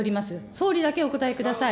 総理だけお答えください。